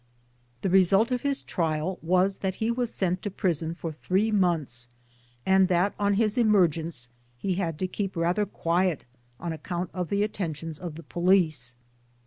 The result of his trial was that he was sent to prison for three months, and that on his emergence) he had to keep rather quiet on account of the atten tions of the Police.